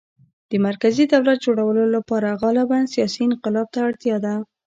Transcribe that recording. د مرکزي دولت جوړولو لپاره غالباً سیاسي انقلاب ته اړتیا ده